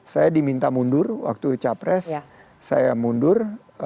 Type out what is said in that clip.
saya diminta mundur waktu capres saya mundur